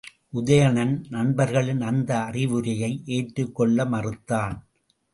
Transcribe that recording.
உதயணன் நண்பர்களின் அந்த அறிவுரையை ஏற்றுக்கொள்ள மறுத்தான்.